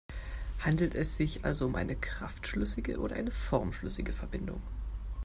Handelt es sich also um eine kraftschlüssige oder formschlüssige Verbindung?